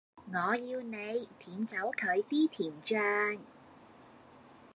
我要你舔走佢果啲甜醬